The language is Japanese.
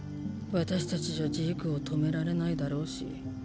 私たちじゃジークを止められないだろうし。